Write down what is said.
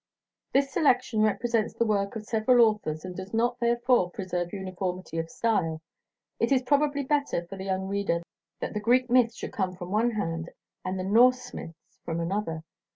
This selection represents the work of several authors, and does not, therefore, preserve uniformity of style. It is probably better for the young reader that the Greek Myths should come from one hand, and the Norse Myths from another.